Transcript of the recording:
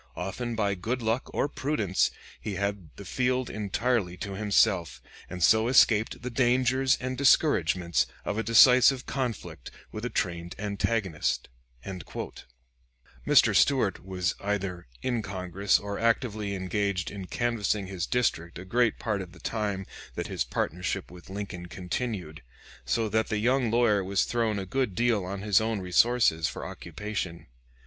Often by good luck or prudence he had the field entirely to himself, and so escaped the dangers and discouragements of a decisive conflict with a trained antagonist." [Illustration: LINCOLN'S BOOKCASE AND INKSTAND. ] Mr. Stuart was either in Congress or actively engaged in canvassing his district a great part of the time that his partnership with Lincoln continued, so that the young lawyer was thrown a good deal on his own resources for occupation.